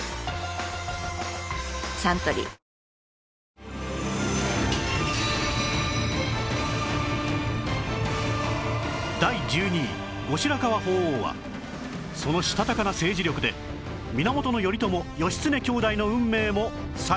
サントリー第１２位後白河法皇はそのしたたかな政治力で源頼朝・義経兄弟の運命も左右します